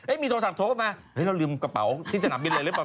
มีโทรศัพท์โทรเข้ามาเฮ้ยเราลืมกระเป๋าที่สนามบินเลยหรือเปล่า